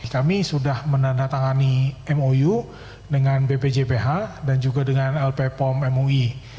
kami sudah menandatangani mou dengan bpjph dan juga dengan lp pom mui